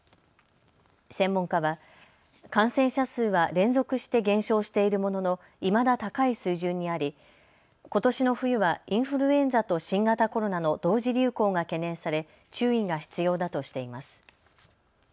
専門家は感染者数は連続して減少しているもののいまだ高い水準にありことしの冬はインフルエンザと新型コロナの同時流行が懸念され注意が必要だとしています。